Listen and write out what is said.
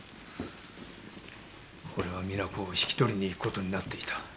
俺は実那子を引き取りに行くことになっていた。